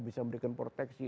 bisa memberikan proteksi